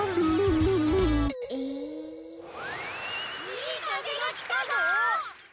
いいかぜがきたぞ！